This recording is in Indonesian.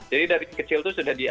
jadi dari kecil itu sudah diajari